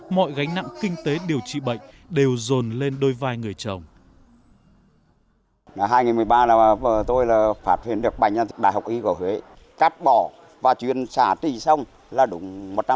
mọi gánh nặng kinh tế điều trị bệnh đều dồn lên đôi vai người chồng